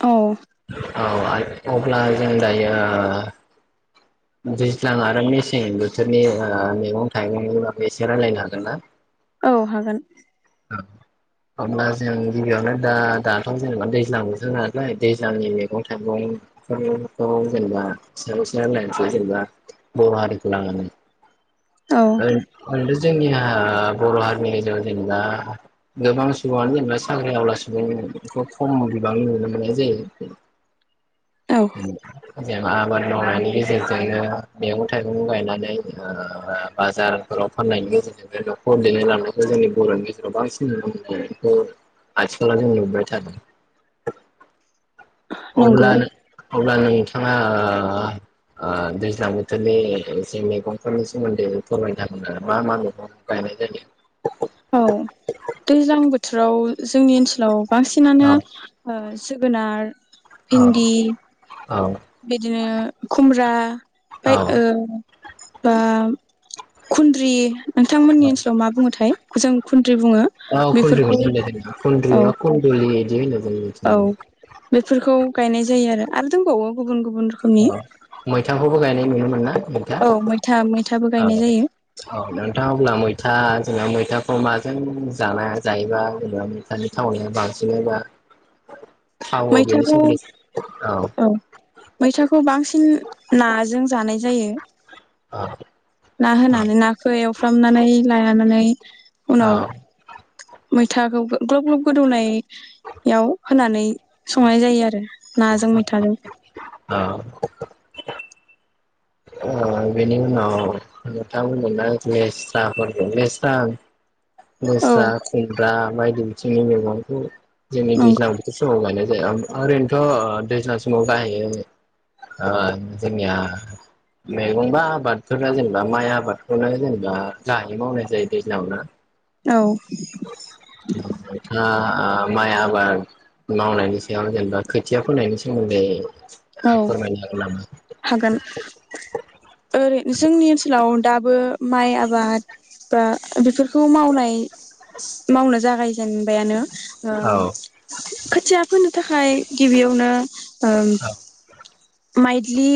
औ। औ अब्ला जों दायो दैज्लां आरो मेसें बोथोरनि ओ मैगं थाइगंनि बागै एसे रायज्लायनो हागोन ना? औ हागोन। अब्ला जों गिबियावनो दा दाथ' जेनेबा दैज्लां बोथोर नालाय दैज्लांनि मैगं थाइगंफोरखौ जेनेबा सोंसैलाय जेनबा बर हारिखौ लानानै औ [unintelligible] जोंनिआ बर' हारिनि गेजेराव जेनेबा गोबां सुबङानो जेनेबा साख्रि आवला सुबुंखौ खम बिबांनि नुनो मोननाय जायो। औ [unintelligible] जेन आबाद मावनायनि गेजेरजोंनो मैगं थाइगं गायनानै ओ बाजारफोराव फाननायनि गेजेरजों बे न'खर दैदेन लांनायखौ जोंनि बर'नि गेजेराव बांसिन नुनो मोननायखौ आथिखलााव जों नुबाय थादों। अब्ला नंगौ नों अब्ला नों थाङा आ आ दैज्लां बोथोरनि एसे मैगंफोरनि सोमोन्दै फोरमायना होदो मा मा मैगं गायनाय जायो? औ दैज्लां बोथोराव जोंनि ओनसोलाव बांसिनानो ओ जोगोनार औ भिन्दि औ। बिदिनो खुमब्रा औ बाय ओ बा खुन्द्रि नोंथांमोननि ओनसोलाव मा बुङोथाय जों खुन औ खुन्द्रिखौनो होनो औ खुन्द्रिना खुन्दलि बिदि औ होनो [inaudible] बेफोरखौ गायनाय जायो आरो आरो दंबावो गुबुन गुबुन रोखोमनि औ मैथाखौबो गायनाय नुनो मोनो। ना [inaudible] मैथा औ मैथा मैथाबो गायनाय जायो औ औ नोंथाङा अब्ला मैथा [inaudible] जोंना मैथाखौ माजों जानाया जायोबा जेनेबा मैथानि थावनिया बांसिनोबा थावो औ बेनि मैथाखौ सोमोन्दै औ मैथाखौ बांसिन नाजों जानाय जायो। औ ना होनानै नाखौ एवफ्रामनानै लानानै उनाव औ मैथाखौ ग्लब ग्लब गोदौनायाव होनानै संनाय जायो आरो नाजों मैथाजों औ औ बेनि उनाव नोंथांमोना लेस्राफोरखौ लेस्रा औ लेस्रा खुमब्रा बायदि बिथिंनि [inaudible] जोंनि नंगौ दैज्लां बोथोर समाव गा ओरैनोथ' दैज्लां समाव गाहायै ओ जोंनिया मैगंबा आबादफोरा जेनेबा माइ आबादखौनो जेनेबा गाहायै मावनाय जायो दैज्लाङावनो औ [inaudible] ओ ओ माइ आबाद मावनायनि सायाव जेनेबा खोथिया फोनायनि सोमोन्दै ओ [inaudible] फोरमायनो सानदोंमोन आं थागोन ओरै जोंनि ओनसोलाव दाबो माइ आबाद बा बेफोरखौ मावनाय मावनो जागायजेनबायानो ओ औ खोथिया फोनो थाखाय गिबियावनो ओ औ माइदिलि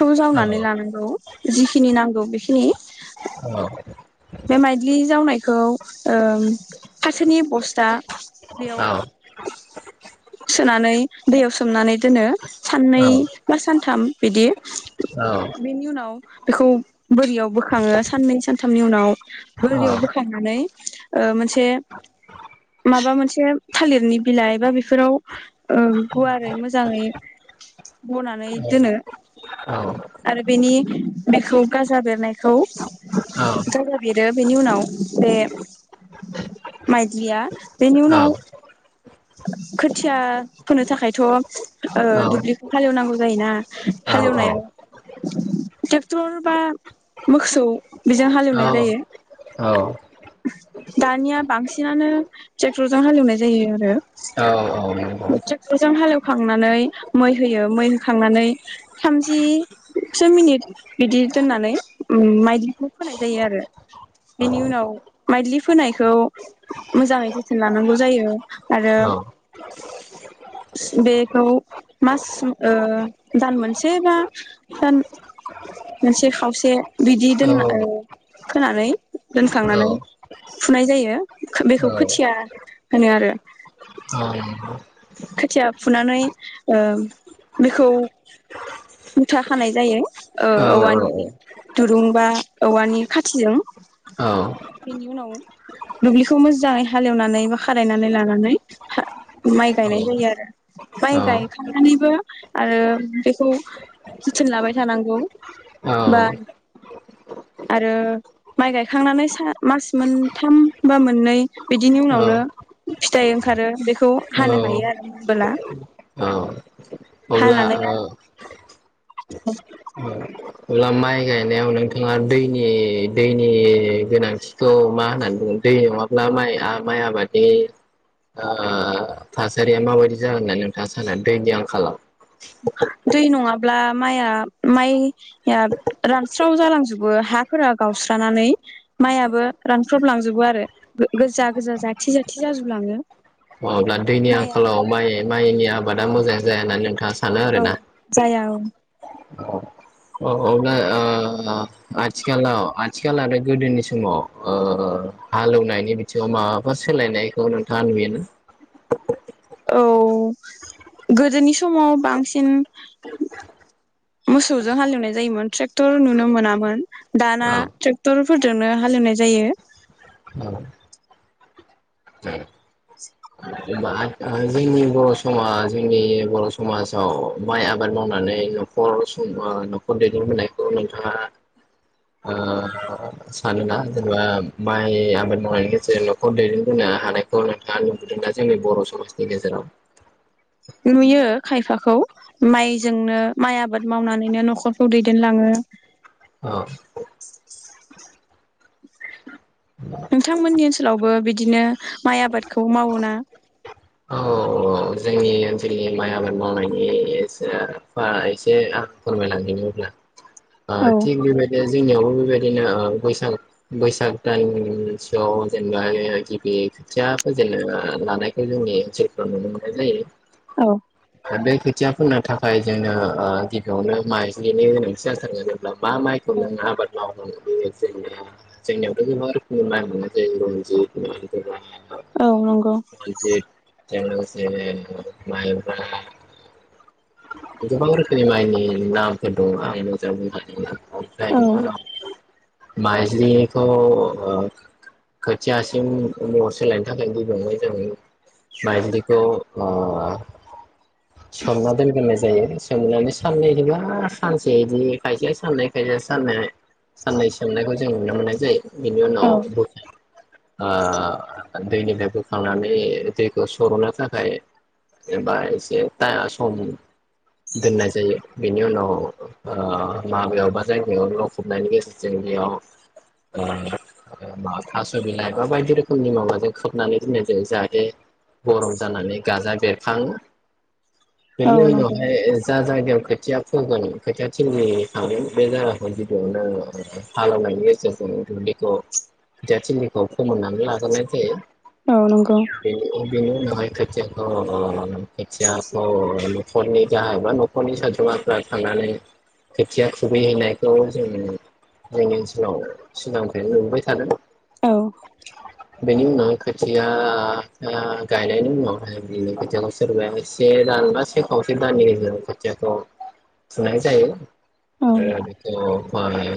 खौ जावनानै औ लानांगौ। जिखिनि नांगौ बेखिनि औ बे माइदलि जावनायख खौ ओम फाथोनि बस्था बेयाव औ सोनानै बे दैयाव सोमनानै दोनो साननै बा सानथाम बेदि औ बेनि उनाव बेखौ बोरियाव बोखाङो साननै सानथामनि उनाव बोरियाव बोखांनानै ओ मोनसे माबा मोनसे थालिरनि बिलाइ बा बिफ फोराव ओं गुवारै मोजाङै बनानै दोनो आरो बेनि बेखौ गाजा बेरनायखौ गाजा बेरो बेनि उनाव बे माइदलिया बेनि उनाव खोथिया फोनो थाखायथ' ओ दुब्लिखौ हालेवनांगौ जायोना हालेवनायाव थेक्टर बा मोखसौ बेजों हालेवनाय जायो औ औ दानिया बांसिनानोे थेक थरजों हालेवनाय जायो आरो औ औ थेक्टरजों हालेवखांनानै मै होयो मै होखांनानै थामजिसो मिनिट बिदि दोननानै उम माइदलिखौ फोनाय जायो आरो बेनि उनाव माइदलि फोनायखौ मोजाङै जोथोन लानांगौ जायो औ स बेखौ माससोम ओ दान मोनसे बा दान मोनसे खावसे बिदि औ दोनना ओ खोनानै दोनखांनानै फुनाय जायो बेखौ औ औ खोथिया होनो आरो खोथिया फुनानै ओ बेखौ मुथा खानाय जायो ओ औवानि दुरुं बा औवानि खाथिजों बेनि उनाव दुब्लिखौ मोदजाङै हालेवनानै बा खारायनानै लानानै हा माइ गायनाय जायो आरो माइ गायखांनानैबो आरो बेखौ जोथोन लाबाय थानांगौ बा औ आरो माइ गायखांनानै सा मास मोनथाम बा मोननै बिदिनि उनावनो औ फिथाइ ओंखारो बेखौ हानो हायो आरो [unintelligible] बोला औ अब्ला ओ [unintelligible] अब्ला माइ गायनायाव नोंथाङा दैनि दैनि गोनांथिखौ मा होननानै बुंङो दै नङाब्ला माइया माइ आबादनि ओ थासारिया माबायदि जागोन होनना नै नोंथाङा सानो दैनि आंखालाव दै नङाब्ला माइआ माइया रानस्राव जालांजोबो हाफोरा गावस्रानानै माइयाबो रानस्रबलांजोबो आरो गो गोजा गोजा जाथि जाथि जाजोबलाङो। अ अब्ला दैनि माइआ आंखालाव माइ माइनि आबाद दा मोजां जाया होना नोंथाङा सा सानो आरो औ ना जाया औ औ अब्ला ओ आथिखालाव आथिखाल आरो गोदोनि समाव ओ हालेवनायनि बिथिङाव माबाफोर सोलायनायखौ नोंथाङा नुयोना? औ गोदोनि समाव बांसिन मोसौजों हालेवनाय जायोमोन ट्रेक्टर नुनो मोनामोन दाना औ ट्रेक्टरफोरजोंनो हालेवनाय जायो औ [unintelligible] जोंनि बर' समाज जोंनि बर' समाजाव माइ आबाद मावनानै न'खर ओ न'खर दैदेनबोनायखौ नोंथाङा ओ सानोना जेनेबा माइ आबाद मावनायनि गेजेरजों न'खर दैदेनबोनो हानायखौ नोंथाङा नुबोदोंना? जोंनि बर' समाजनि गेजेराव नुयो खायफाखौ माइजोंनो माइ आबाद मावनानैनो न'खरखौ दैदेनलाङो। औ नोंथांमोननि ओनसोलावबो बिदिनो माइ आबादखौ मावो ना? औ जोंनि ओनसोलनि माइ आबाद मावनायनि एसे बा एसे आं फोरमायलांनि अब्ला ओ औ थिग बेबायदि जोंनियाव बेबायदिनो ओ बैसाग बैसाग दानसोआव जेनेबा गिबि खोथिया फोजेननो लानायखौ जोंनि ओनसोलफ्राव नुनो मोनो। जायो। औ। दा बे खोथिया फोननो थाखाय जोंनो ओ गिबियावनो माइज्लिनि गोनांथि जाथारो जोबब्ला मा मायखौ नों आबाद मावनो बेसेन नाङा। जोंनावथ' गोबां रोखोमनि म [unintelligible] औ नंगौ। [unintelligible] माइब्रा गोबां रोखोमनि माइनि नामफोर दङ आं मोजां औ बुंजोबनो [unintelligible] माइजलिखौ ओ खोथियासिम महर सोलायनो थाखाय गिबियावनो जों माइज्लि खौ ओ सोमना दोनग्रोनाय जायो। सोमनानै साननैबा सानसे बिदि खायसे साननै खायसे सान साननै सोमनायखौ जों नुनो मोननाय जायो। बिनि उनाव औ ब [inaudible] ओ दैनिफ्राय बोखांनानै दैखौ सर'नो थाखाय एबा एसे सम दोननाय जायो बेनि उनाव ओ माबायाव बा जायगायाव लखबनायनि गेजेरजों बेयाव ओ मा थास' बिलाइ एबा बायदि रोखोमनि माबाजों खोबनानै दोननाय जायो जाहाथे गरम जानानै गाजा बेरखाङो। औ बेनि नंगौ उनावहाय जा जायगायाव खोथिया फुगोन खोथिया थलि थागोन बे जायगाखौ गिबियावनो हालेवनायनि गेजेरजों दुब्लिखौ खोथिया थिलिखौ फोमोननानै लाग्रोनाय जायो। औ नंगौ बेनि बेनि उनावहाय खोथियाखौ खोथियाखौ न'खरनि जा एबा न'खरनि सोद्रोमाफ्रा थांनानै खोथिया खुबैहैनायखौ जों जोंनि ओनसोलाव सिगांनिफ्रायनो मोनबाय थादों। औ। बेनि उनाव खोथियाखो गायनायनि उनाव ओमफ्राय बिनि खोथियाखौ सोरबाया से दान बा से खावसे दाननि गेजेर खोथियाखौ फुनाय जायो औ आरो बेखौ माइ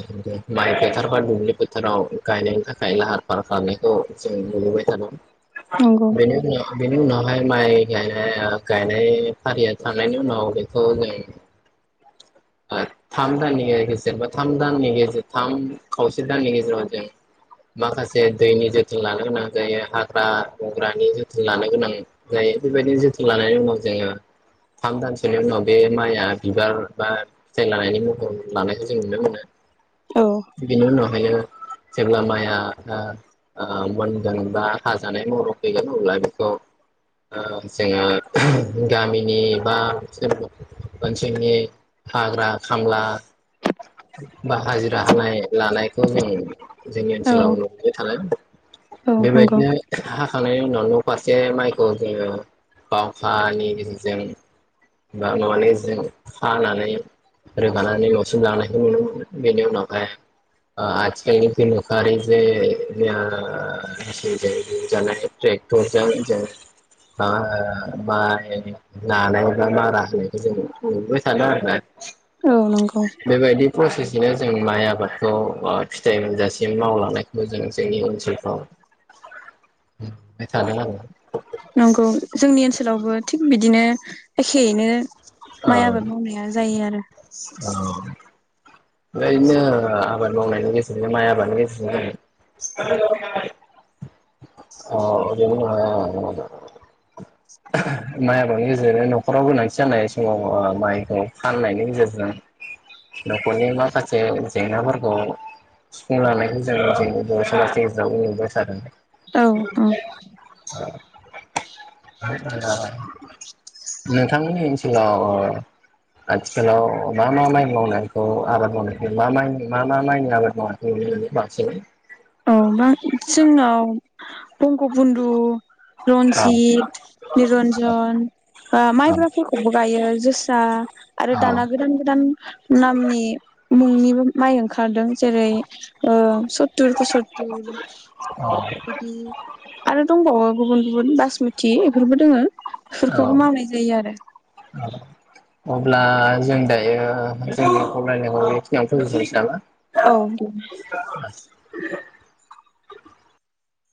माइ फोथार बा दुब्लि फोथाराव गायनायनि थाखाय लाहार फाहार खालामनायखौ जों नुबोबाय थादों। नंगौ बेनि उनाव बेनि उनाव फाय माइ गायनाय ओ गायनाय फारिया थांनायनि उनाव बेखौ जों थाम दाननि गेजेर बा थाम दाननि गेजेर थाम खावसे दाननि गेजेराव जों माखासे दैनि जोथोन लानो गोनां जायो हाग्रा हंग्रानि जोथोन लानो गोनां जायो बेबायदि जोथोन लानायनि उनाव जोङो थाम दानसोनि उनाव बे माइआ बिबार बा फिथाइ लानायनि महर लानायखौ जों नुनो मोनो। औ बिनि उनाव हायो जेब्ला माइआ ओ ओ मोनगोन बा हाजानाय महराव फैगोन अब्ला बेखौ ओ जोङो गामिनि बा [unintelligible] ओनसोलनि हाग्रा खामला बा हाजिरा हानाय। लानायखौ जों जोंनि औ ओनसोलाव नुबाय थादों औ नंगौ बेबायदिनो हाखांनायनि नफारसे माइ खौ जोङो बावखानि गगेजेरजों हानानै रोगानानै न'सिम लांनायखौ नुनो मोनो बेनि उनावहाय ओ आथिखालनि गोनोखोआरि जे ओ मेसिनजों जानाय ट्रेक्टरजों जों ओ माइ नानाय बा मारा होनायखौ जों नुबाय थादो आरोना। औ नंगौ। प्रसेसनो जोंनि माइ आबादखौ ओ फिथाइ मोनजासिम मावलांनायखौ जों जोंनि ओनसोलफ्राव नुबाय थादों आरो। नंगौ जोंनि ओनसोलावबो थिग बिदिनो एखेयैनो माइ औ आबाद मावनाय जायो आरो। औ। ओरैनो ओ आबाद मावनायनि गेजेरजों माइ आबादनि गेजेरजों अ'। माइ आबादनि गेजेरजों न'खराव गोनांथि जानाय समाव माइखौ फाननायनि गेजेरजों न'खरनि माखासे जेंनाफोरखौ सुफुंलानायखौ सुफुंजानायखौ जों जोंनि बर' समाजनि गेजेराव नुबोबाय थादों। औ- औ-। [inaudible] नोंथांनि ओनसोलाव ओ आथिखालाव मा मा माइ मावनायखौ आबाद मावनायखौ मा मा मा माइनि आबाद मावनायखौ नुनो मोनो बांसिनै। औ बा जोंनाव बंग बन्दु, औ रन्जित, निरन्जन बा औ माइब्राफोरखौबो गायो जोसा आरो दाना गोदान गोदान मुंनि माइ ओंखारदों जेरै ओ सतुर पसुतरूर औ बिदि आरो दंबावो गुबुन जन बास स्मुथि बेफोरबो दोङो औ बेफोरखौबो मावनाय जायो आरो अब्ला जों दायो जोंनि फावलायनायखौखिनियावनो फोजोबथ' नोसै नामा? औे।